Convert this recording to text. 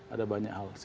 ada banyak hal